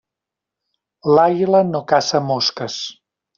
L'àguila no caça mosques.